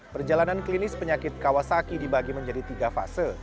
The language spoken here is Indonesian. perjalanan klinis penyakit kawasaki dibagi menjadi tiga fase